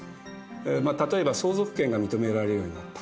例えば相続権が認められるようになった。